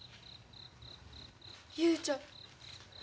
雄ちゃん。